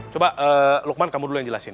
coba lukman kamu dulu yang jelasin